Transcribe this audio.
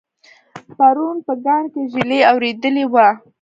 پرون په کاڼ کې ږلۍ اورېدلې وه